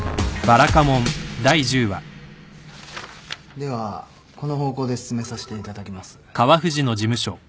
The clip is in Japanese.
ではこの方向で進めさせていただきます。